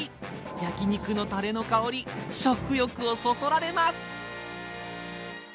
焼き肉のたれの香り食欲をそそられます！